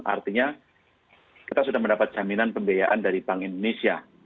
artinya kita sudah mendapat jaminan pembiayaan dari bank indonesia